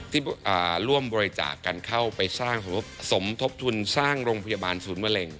ที่ร่วมบริจาคกันเข้าไปสร้างสมทบทุนสร้างโรงพยาบาลศูนย์มะเร็ง